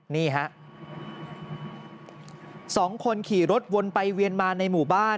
นี่ฮะสองคนขี่รถวนไปเวียนมาในหมู่บ้าน